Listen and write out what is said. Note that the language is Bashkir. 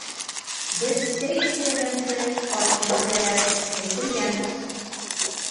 - Беҙ сәй эскеләгәнсе, ат килтерәләр, әйтелгән.